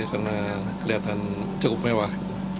karena kelihatan cukup mewah